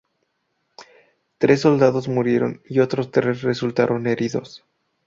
Tres soldados murieron y otros tres resultaron heridos.